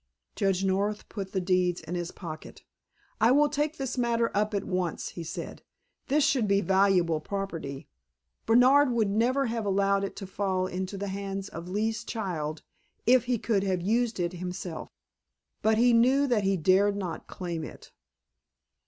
Judge North put the deeds in his pocket. "I will take this matter up at once," he said. "This should be valuable property. Bernard would never have allowed it to fall into the hands of Lee's child if he could have used it himself, but he knew that he dared not claim it."